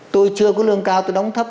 tôi chưa có lương cao tôi đóng thấp